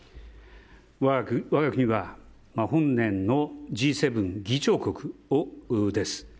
我が国は本年のＧ７議長国です。